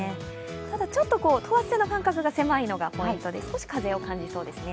ただ、等圧線の間隔が狭いのがポイントで少し風を感じそうですね。